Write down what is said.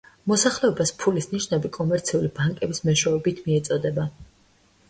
მოსახლეობას ფულის ნიშნები კომერციული ბანკების მეშვეობით მიეწოდება.